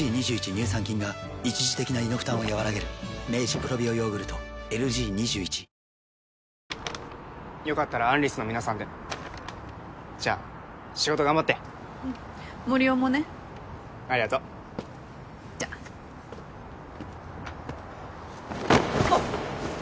乳酸菌が一時的な胃の負担をやわらげるよかったらアン・リスの皆さんでじゃあ仕事頑張ってうん森生もねありがとうじゃっあっ！